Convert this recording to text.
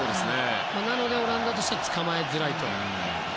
なので、オランダとしては捕まえづらいと。